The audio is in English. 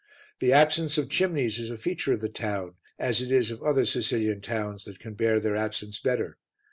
The absence of chimneys is a feature of the town, as it is of other Sicilian towns that can bear their absence better.